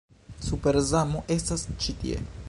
Super-Zamo estas ĉi tie